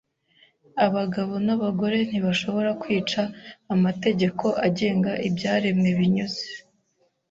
Abagabo n’abagore ntibashobora kwica amategeko agenga ibyaremwe binyuze